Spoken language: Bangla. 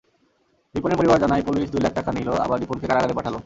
রিপনের পরিবার জানায়, পুলিশ দুই লাখ টাকা নিল, আবার রিপনকে কারাগারে পাঠাল।